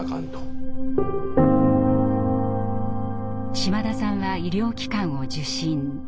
島田さんは医療機関を受診。